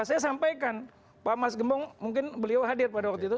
saya sampaikan pak mas gembong mungkin beliau hadir pada waktu itu